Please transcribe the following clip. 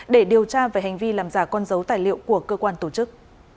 để điều tra về hành vi làm giả con dấu tài liệu của cơ quan tổ chức